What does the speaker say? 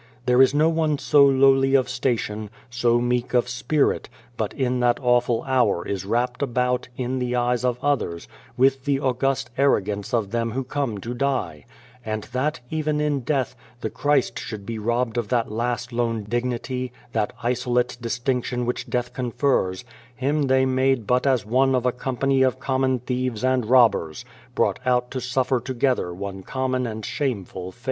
There is no one so lowly of station, so meek of spirit, but in that awful hour is wrapt about, in the eyes of others, with the august arrogance of them who come to die ; and that, even in death, the Christ should be robbed of that last lone dignity, that isolate distinction which death confers Him they made but as one of a company of common thieves and robbers, brought out to suffer together one common and shameful fate.